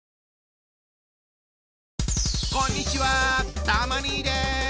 こんにちはたま兄です。